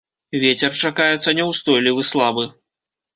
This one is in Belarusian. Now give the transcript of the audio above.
Вецер чакаецца няўстойлівы слабы.